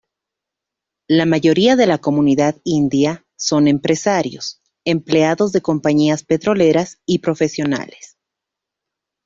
La mayoría de la comunidad india son empresarios, empleados de compañías petroleras y profesionales.